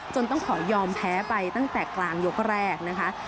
ต้องขอยอมแพ้ไปตั้งแต่กลางยกแรกนะคะ